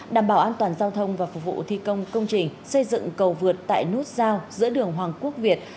đảm bảo an toàn giao thông và phục vụ thi công công trình xây dựng cầu vượt tại nút giao giữa đường hoàng quốc việt